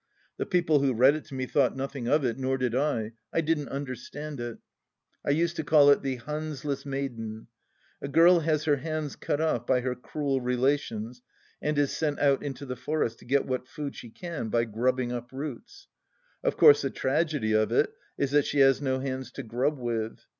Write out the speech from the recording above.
The people who read it to me thought nothing of it, nor did I ; I didn't understand it. I used to call it the Hanseless Maiden. A girl has her hands cut off by her cruel relations and is sent out into the forest to get what food she can by grubbing up roots. Of course the tragedy of it is that she has no hands to grub with.